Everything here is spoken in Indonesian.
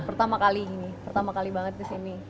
pertama kali gini pertama kali banget kesini